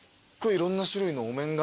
いろんな種類のお面が。